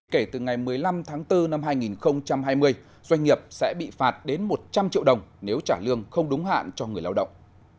kể từ ngày một mươi năm tháng bốn năm hai nghìn hai mươi doanh nghiệp sẽ bị phạt đến một trăm linh triệu đồng nếu trả lương không đúng hạn cho người lao động